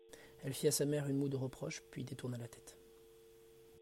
Elle fit à sa mère une moue de reproche, puis détourna la tête.